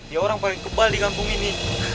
ya orang paling kebal di kampung ini